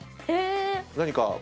何か。